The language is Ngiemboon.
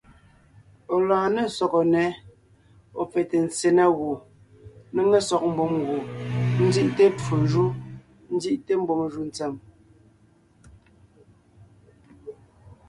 Ɔ̀ lɔɔn ne sɔgɔ nnɛ́, ɔ̀ pfɛte ntse na gù, ńnéŋe sɔg mbùm gù, ńzí’te twó jú, ńzí’te mbùm jù ntsèm.